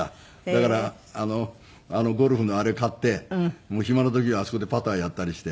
だからあのゴルフのあれを買って暇な時はあそこでパターやったりして。